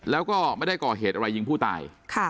แล้วก็ไม่ได้ก่อเหตุอะไรยิงผู้ตาย